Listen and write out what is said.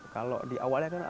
kalau di awalnya